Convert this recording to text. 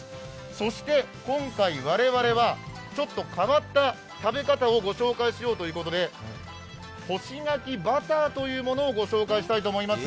そして、今回、我々はちょっと変わった食べ方を御紹介しようということで干し柿バターというものをご紹介したいと思います。